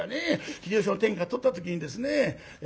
秀吉が天下取った時にですね